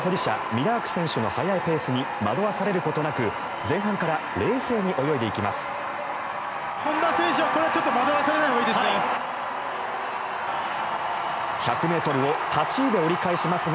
ミラーク選手の速いペースに惑わされることなく前半から冷静に泳いでいきます。